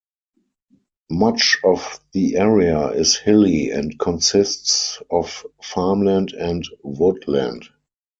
Much of the area is hilly and consists of farmland and woodland.